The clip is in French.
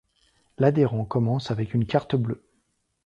L'adhérent commence avec une carte Bleue.